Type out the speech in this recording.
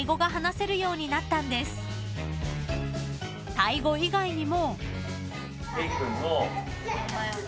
［タイ語以外にも］